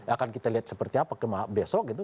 akan kita lihat seperti apa besok gitu